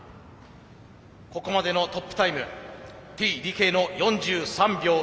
ここまでのトップタイムＴ・ＤＫの４３秒４１。